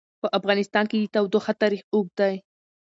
په افغانستان کې د تودوخه تاریخ اوږد دی.